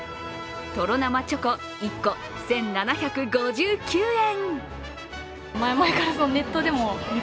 とろなまチョコ１個１７５９円。